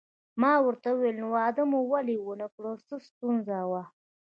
ما ورته وویل: نو واده مو ولې ونه کړ، څه ستونزه وه؟